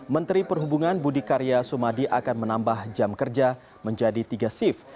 menteri perhubungan budi karya sumadi akan menambah jam kerja menjadi tiga shift